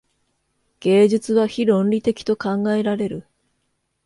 芸術は非論理的と考えられる。